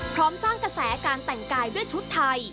พร้อมสร้างกระแสการแต่งกายด้วยชุดไทย